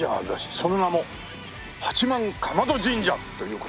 その名も八幡竈門神社という事。